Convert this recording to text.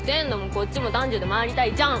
こっちも男女で回りたいじゃん！